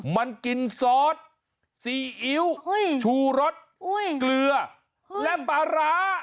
มันกินซอสซีอิ๊วชูรสเกลือและปลาร้า